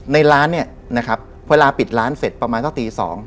ในร้านเนี่ยนะครับเวลาปิดร้านเสร็จประมาณสักตี๒